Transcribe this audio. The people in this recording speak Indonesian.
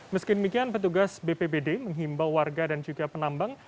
meski demikian petugas bpbd menghimbau warga dan juga penambang